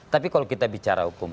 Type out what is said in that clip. tapi kalau kita bicara hukum